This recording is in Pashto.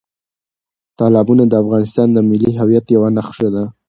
تالابونه د افغانستان د ملي هویت یوه نښه ده.